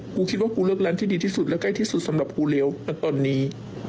กูคิดว่ากูเลิกร้านที่ดีที่สุดและใกล้ที่สุดสำหรับกูเลี้ยวตอนนี้